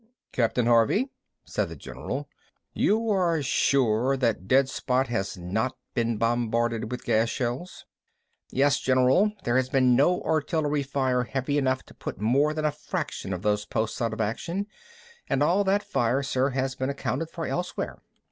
"Captain Harvey," said the general, "you are sure that dead spot has not been bombarded with gas shells?" "Yes, General. There has been no artillery fire heavy enough to put more than a fraction of those posts out of action, and all that fire, sir, has been accounted for elsewhere."